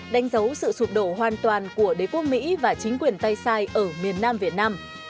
đánh dấu sự sụp đổ hoàn toàn của đế quốc mỹ và chính quyền tây sai ở miền nam việt nam